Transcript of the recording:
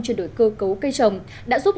chuyển đổi cơ cấu cây trồng đã giúp